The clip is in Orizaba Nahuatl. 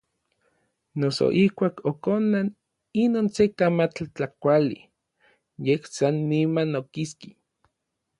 Noso ijkuak okonan inon se kamatl tlakuali, yej san niman okiski.